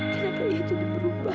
kenapa ia juga berubah